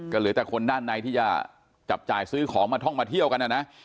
ก็เหลือแต่คนด้านในที่จะจับจ่ายซื้อของมาท่องมาเที่ยวกันนะนะ